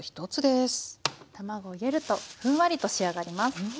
卵を入れるとふんわりと仕上がります。